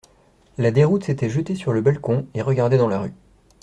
La Déroute s'était jeté sur le balcon et regardait dans la rue.